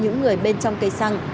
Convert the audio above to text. những người bên trong cây xăng